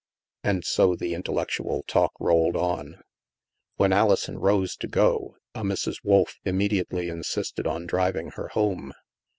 And so the intellectual talk rolled on. When Alison rose to go, a Mrs. Wolf immediately insisted on driving her home.